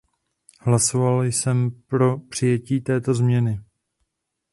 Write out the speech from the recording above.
Hlasoval jsem pro přijetí této zprávy.